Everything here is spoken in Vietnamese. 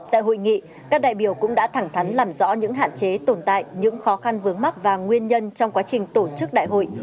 tại hội nghị các đại biểu cũng đã thẳng thắn làm rõ những hạn chế tồn tại những khó khăn vướng mắt và nguyên nhân trong quá trình tổ chức đại hội